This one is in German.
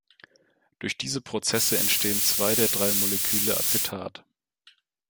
Durch diese Prozesse entstehen zwei der drei Moleküle Acetat.